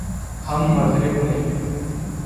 ہم مغرب نہیں۔